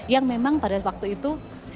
yang memang pada waktu itu